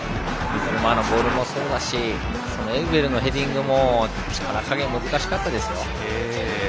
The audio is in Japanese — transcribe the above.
今のボールもそうだしエウベルのヘディングも力加減難しかったですよ。